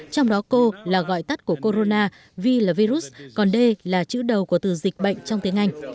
trong đó cô là gọi tắt của corona vì là virus còn d là chữ đầu của từ dịch bệnh trong tiếng anh